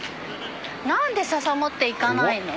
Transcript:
何でササ持っていかないの？